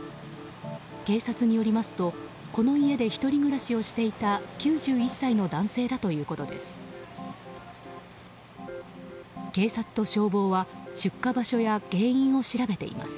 警察によりますとこの家で１人暮らしをしていた９１歳の男性だということです。